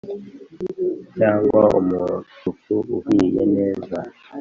cyangwa umutuku uhiye neza